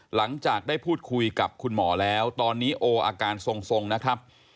หลังจากได้พูดคุยกับคุณหมอแล้วตอนนี้โออาการทรงนะครับ